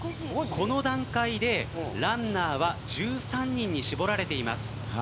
この段階でランナーは１３人に絞られています。